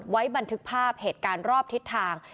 บันทึกภาพเหตุการณ์รอบทิศทาง